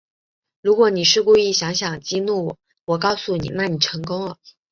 如果你是故意想想激怒我，我告诉你，那你成功了